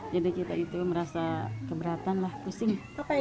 jadi kita itu merasa keberatan pusing